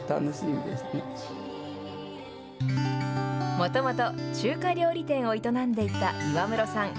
もともと、中華料理店を営んでいた岩室さん。